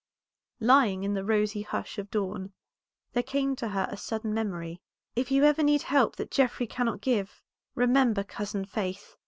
Lying in the rosy hush of dawn, there came to her a sudden memory "If ever you need help that Geoffrey cannot give, remember cousin Faith."